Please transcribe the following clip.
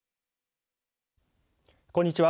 こんにちは。